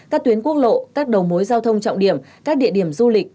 các tuyến quốc lộ các đầu mối giao thông trọng điểm các địa điểm du lịch